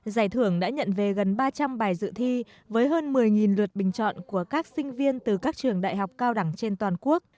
giải thưởng đã nhận về gần ba trăm linh bài dự thi với hơn một mươi lượt bình chọn của các sinh viên từ các trường đại học cao đẳng trên toàn quốc